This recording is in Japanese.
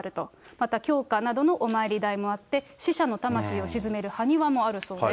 また、供花などのお参り台もあって、死者の魂を鎮める埴輪もあるそうです。